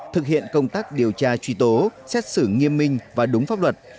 thực hiện công tác điều tra truy tố xét xử nghiêm minh và đúng pháp luật